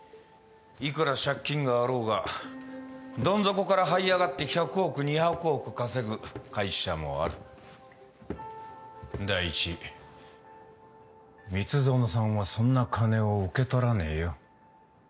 いくら借金があろうがどん底からはい上がって１００億２００億稼ぐ会社もある第一蜜園さんはそんな金を受け取らねえよ